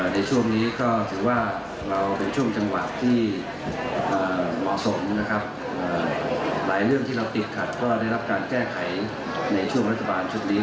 ในช่วงนี้ก็ถือว่าเราเป็นช่วงจังหวะที่เหมาะสมนะครับหลายเรื่องที่เราติดขัดก็ได้รับการแก้ไขในช่วงรัฐบาลชุดนี้